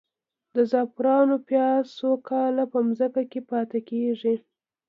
د زعفرانو پیاز څو کاله په ځمکه کې پاتې کیږي؟